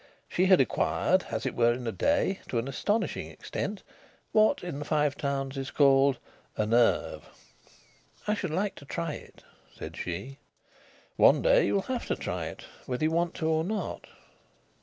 She had acquired, as it were in a day, to an astonishing extent, what in the Five Towns is called "a nerve." "I should like to try it," said she. "One day you'll have to try it, whether you want to or not."